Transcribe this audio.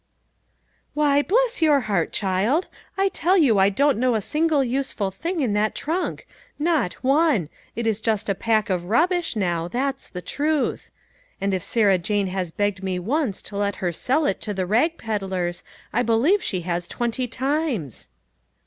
" Why, bless your heart, child, I tell you I don't know of a single useful thing in that trunk ; not one ; it is just a pack of rubbish, now, that's the truth; and if Sarah Jane has begged me once to let her sell it to the rag ped lers, I believe she has twenty times."